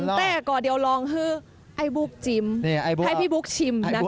ลำแต่ก่อเดี๋ยวลองให้พี่บุ๊คชิมนะคะ